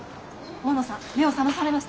大野さん目を覚まされました。